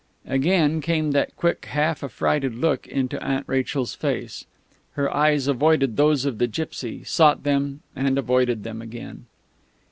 Again came that quick, half affrighted look into Aunt Rachel's face. Her eyes avoided those of the gipsy, sought them, and avoided them again.